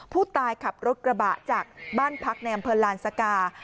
ผู้ตายขับรถกระบะจากบ้านพักในอำเภอลานสกา